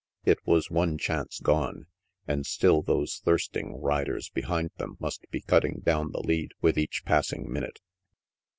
It was one chance gone; and still those thirsting riders behind them must be cutting down the lead with each passing minute.